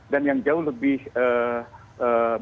dan yang jauh lebih penting